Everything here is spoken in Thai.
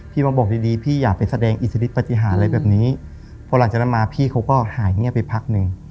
พอหลังจากนั้นมาพี่เขาก็หายเงียบไปพักหนึ่ง